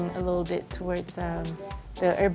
saya bergerak sedikit ke